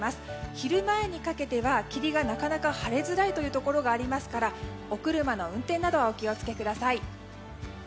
昼前にかけては霧がなかなか晴れづらいところもありますからお車の運転などはお気を付けください。